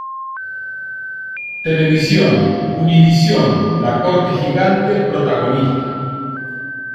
Televisión: Univisión, "La Corte Gigante", Protagonista.